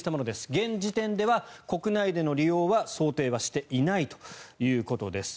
現時点では国内での利用は想定していないということです。